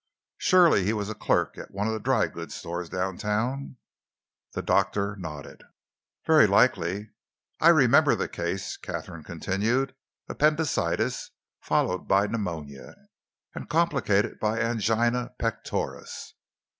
Surely he was a clerk at one of the drygoods stores down town?" The doctor nodded. "Very likely." "I remember the case," Katharine continued, "appendicitis, followed by pneumonia, and complicated by angina pectoris."